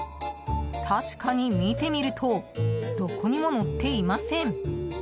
確かに、見てみるとどこにも載っていません。